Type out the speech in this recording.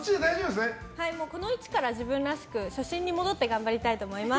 この位置から自分らしく初心に戻って頑張りたいと思います。